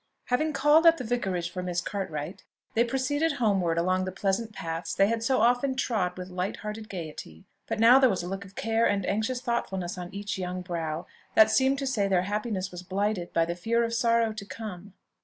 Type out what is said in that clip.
Having called at the Vicarage for Miss Cartwright, they proceeded homeward along the pleasant paths they had so often trod with light hearted gaiety; but now there was a look of care and anxious thoughtfulness on each young brow, that seemed to say their happiness was blighted by the fear of sorrow to come.